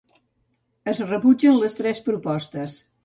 Es rebutgen les tres propostes.